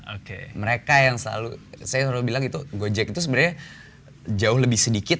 oke mereka yang selalu saya selalu bilang itu gojek itu sebenarnya jauh lebih sedikit